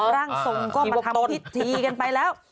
ร่างทรงก็มาทำพิธีกันไปแล้ว